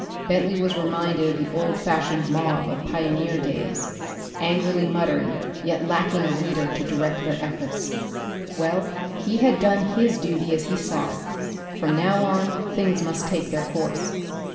Bentley was reminded of the old fashioned mob of pioneer days angrily muttering yet lacking a leader to direct their efforts. Well, he had done his duty as he saw it. From now on things must take their course.